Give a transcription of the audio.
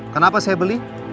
kenapa saya beli